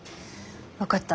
分かった。